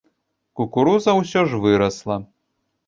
Кукуруза ўсё ж вырасла.